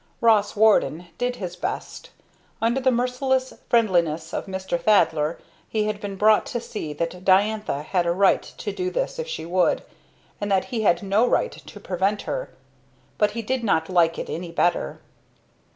Ross Warden did his best. Under the merciless friendliness of Mr. Thaddler he had been brought to see that Diantha had a right to do this if she would, and that he had no right to prevent her; but he did not like it any the better.